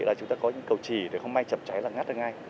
là chúng ta có những cầu trí để không may chậm cháy là ngắt được ngay